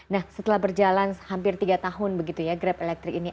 nah setelah berjalan hampir tiga tahun grab electric ini